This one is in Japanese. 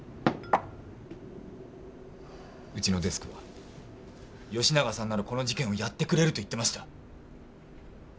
うちのデスクは永さんならこの事件をやってくれると言ってました。